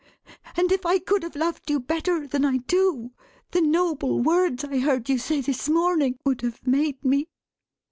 And if I could have loved you better than I do, the noble words I heard you say this morning, would have made me.